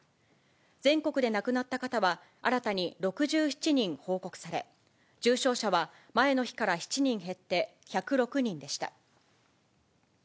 全国で亡くなった方は、新たに６７人報告され、重症者は前の日から７人減って１０６人でした。